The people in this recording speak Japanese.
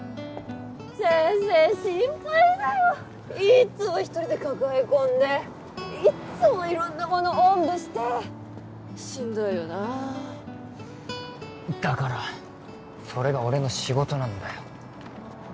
先生心配だよいっつも一人で抱え込んでいっつも色んなものおんぶしてしんどいよなだからそれが俺の仕事なんだよ